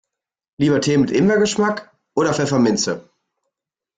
Lieber Tee mit Ingwer-Geschmack oder Pfefferminze?